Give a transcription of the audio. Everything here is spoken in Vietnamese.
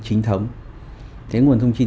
chính thống thế nguồn thông tin